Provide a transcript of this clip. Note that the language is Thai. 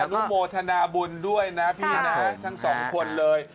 นุโมทนาบุญด้วยนะพี่นะทั้งสองคนเลย